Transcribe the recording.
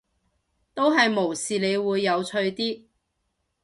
都係無視你會有趣啲